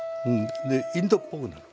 でインドっぽくなる。